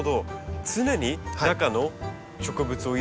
常に中の植物を入れ替えて。